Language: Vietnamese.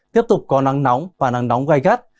tiếp tục có nắng nóng và nắng nóng gai gắt